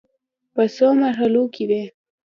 په څو مرحلو کې وې.